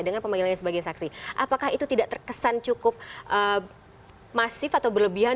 dengan pemanggilannya sebagai saksi apakah itu tidak terkesan cukup masif atau berlebihan